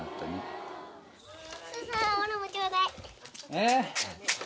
えっ。